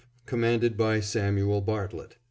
commanded by Samuel Bartlett.